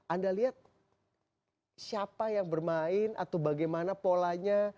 anda lihat siapa yang bermain atau bagaimana polanya